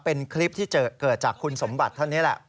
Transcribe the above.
เป็นคลิปที่เกิดจากคุณสมบัติท่านนี้แหละ